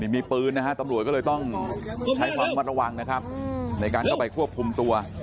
มีปืนนะฮะตำรวจก็เลยต้องใช้ความมัดระวังนะครับในการเข้าไปควบคุมตัว